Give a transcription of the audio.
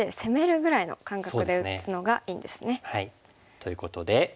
ということで。